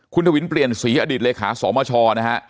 คุณทวินเปลี่ยนสีอดิษฐ์เหลคาสว์มาช์ชอนะคะ